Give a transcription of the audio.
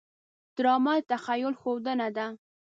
ډرامه د تخیل ښودنه ده